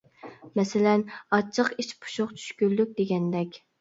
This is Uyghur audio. مەسىلەن، ئاچچىق، ئىچ پۇشۇق، چۈشكۈنلۈك. دېگەندەك.